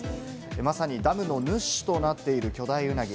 まさにダムのヌシとなっている巨大ウナギ。